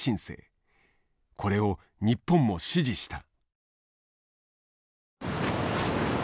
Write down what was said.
これを日本も支持した。